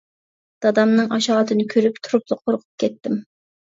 دادامنىڭ ئاشۇ ھالىتىنى كۆرۈپ، تۇرۇپلا قورقۇپ كەتتىم.